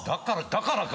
「だからか」